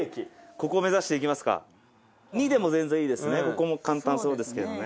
ここも簡単そうですけどね。